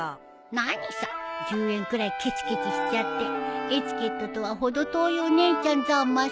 何さ１０円くらいケチケチしちゃってエチケットとは程遠いお姉ちゃんざます。